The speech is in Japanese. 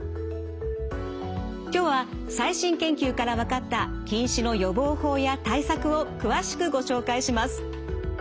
今日は最新研究から分かった近視の予防法や対策を詳しくご紹介します。